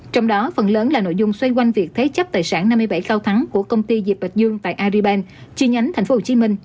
trong đó phần lớn là nội dung xoay quanh việc thế chấp tài sản năm mươi bảy cao thắng của công ty dịp bạch dương tại aribank chi nhánh tp hcm